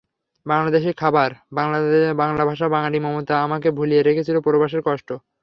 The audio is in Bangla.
বাংলাদেশি খাবার, বাংলা ভাষা, বাঙালির মমতা আমাকে ভুলিয়ে রেখেছিল প্রবাসের কষ্ট।